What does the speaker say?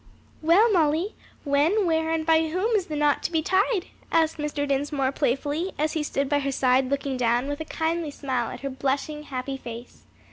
"Well, Molly, when, where, and by whom is the knot to be tied?" asked Mr. Dinsmore playfully, as he stood by her side looking down with a kindly smile at her blushing, happy face.